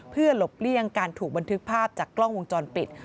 เพื่อหลบเลี่ยงการถูกบันทึกภาพจากกล้องวงจรปิด